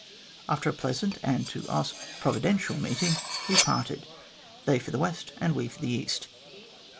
After a very pleasant and, to us, providential meeting, we parted, they for the west and we for the east.